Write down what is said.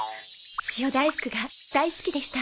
塩大福が大好きでした。